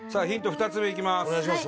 ヒント２つ目いきます。